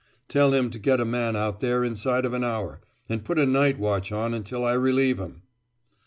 Tell him to get a man out there inside of an hour, and put a night watch on until I relieve 'em."